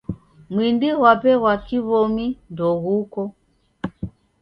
Mwindi ghwape ghwa kiw'omi ndoghuko.